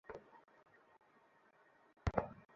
দ্রুত ইমার্জেন্সিতে নিয়ে যাও!